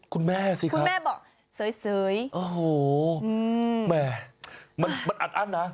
คุณแม่สิคุณแม่บอกเสยโอ้โหแม่มันอัดอั้นนะ